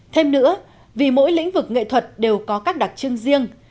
thêm nữa vì mỗi lĩnh vực nghệ thuật đều có các đặc trưng riêng